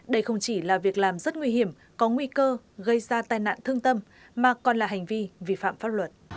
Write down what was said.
đây không chỉ là việc làm rất nguy hiểm có nguy cơ gây ra tai nạn thương tâm mà còn là hành vi vi phạm pháp luật